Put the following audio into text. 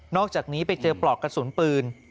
อกจากนี้ไปเจอปลอกกระสุนปืน